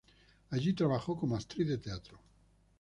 Allí trabajó como actriz de teatro.